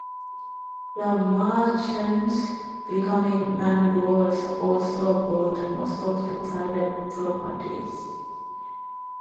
The merchants, becoming landlords, also bought most of the private properties.